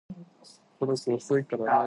お茶を飲む